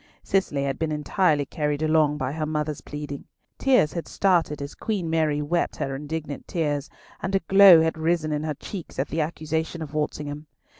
Cicely had been entirely carried along by her mother's pleading. Tears had started as Queen Mary wept her indignant tears, and a glow had risen in her cheeks at the accusation of Walsingham.